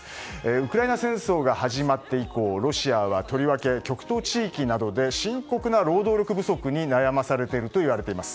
ウクライナ戦争が始まって以降ロシアはとりわけ極東地域などで深刻な労働力不足に悩まされているといわれています。